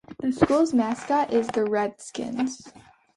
The school's mascot is the Redskins.